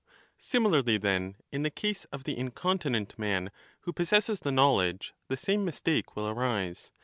Similarly then in the case of the incontinent man who possesses the knowledge the same mistake will arise.